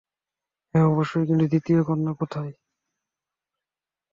হ্যাঁ অবশ্যই, কিন্তু দ্বিতীয় কন্যা কোথায়?